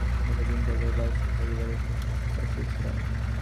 অনেক রোগী ফেলিয়া আসিয়াছে, বেশিদিন কলিকাতায় বসিয়া থাকিবার উপায় শশীর ছিল না।